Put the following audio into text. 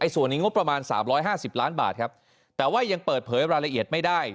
ส่วนนี้งบประมาณ๓๕๐ล้านบาทครับแต่ว่ายังเปิดเผยรายละเอียดไม่ได้